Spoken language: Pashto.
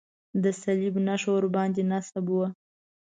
د صلیب نښه ورباندې نصب وه.